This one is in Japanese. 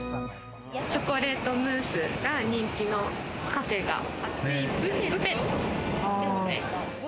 チョコレートムースが人気のカフェがあって、ブヴェットですね。